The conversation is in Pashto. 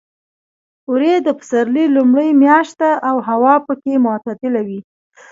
وری د پسرلي لومړۍ میاشت ده او هوا پکې معتدله وي.